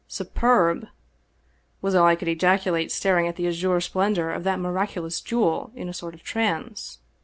"" Superb !" was all I could ejaculate, staring at the azure splendor of that miraculous jewel in a sort of trance.